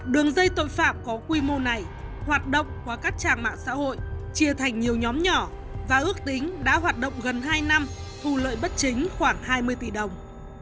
đường dây tội phạm có quy mô này hoạt động qua các trang mạng xã hội chia thành nhiều nhóm nhỏ và ước tính đã hoạt động gần hai năm thu lợi bất chính khoảng hai mươi tỷ đồng